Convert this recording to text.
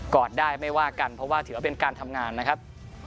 อดได้ไม่ว่ากันเพราะว่าถือว่าเป็นการทำงานนะครับ